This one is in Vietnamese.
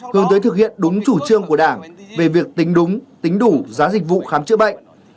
hướng tới thực hiện đúng chủ trương của đảng về việc tính đúng tính đủ giá dịch vụ khám chữa bệnh